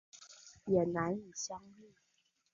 也难以相遇